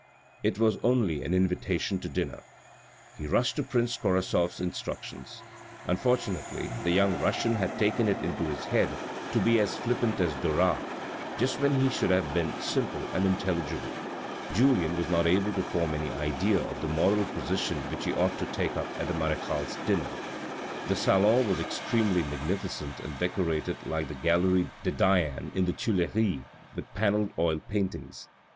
It was only an. invitation to dinner. He rushed to prince KorasofFs instructions. Unfortunately the young Russian had taken it into his head to be as flippant as Dorat, just when he should have been simple and intelligible ! Julien was not able to form any idea of the moral position which he ought to take up at the marechale's dinner. The salon was extremely magnificent and decorated like the gallery de Diane in the Tuilleries with panelled oil paintings.